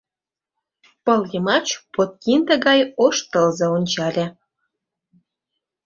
Пыл йымач подкинде гай ош тылзе ончале.